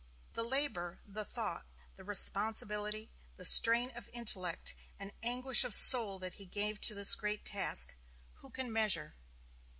The labor, the thought, the responsibility, the strain of intellect and anguish of soul that he gave to this great task, who can measure?